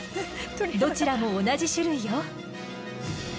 どちらも同じ種類よ。